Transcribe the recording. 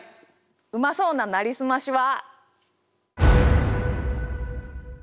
うまそうな「なりすまし」は。